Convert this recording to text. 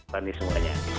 selamat malam semuanya